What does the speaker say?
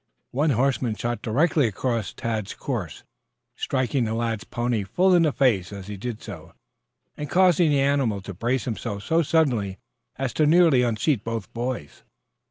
One horseman shot directly across Tad's course, striking the lad's pony full in the face as he did so, and causing the animal to brace himself so suddenly as to nearly unseat both boys.